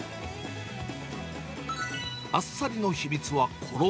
あっさりの秘密は衣。